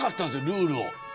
ルールを。